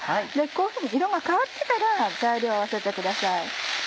こういうふうに色が変わってから材料を合わせてください。